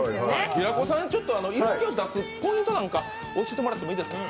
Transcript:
平子さん、色気を出すポイントなんかを教えていただいてもいいですか？